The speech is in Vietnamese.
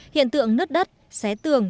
hiện tượng nứt đất xé tường